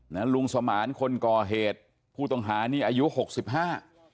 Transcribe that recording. ลุงสมานคนก่อเหตุผู้ต้องหานี่อายุหกสิบห้า